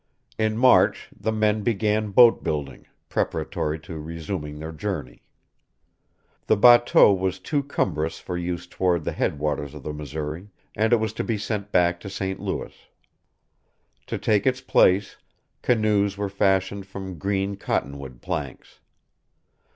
In March the men began boat building, preparatory to resuming their journey. The batteau was too cumbrous for use toward the head waters of the Missouri, and it was to be sent back to St. Louis. To take its place, canoes were fashioned from green cottonwood planks.